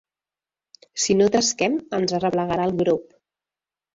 Si no tresquem, ens arreplegarà el grop.